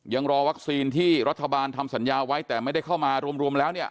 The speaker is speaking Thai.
ยังรอวัคซีนที่รัฐบาลทำสัญญาไว้แต่ไม่ได้เข้ามารวมแล้วเนี่ย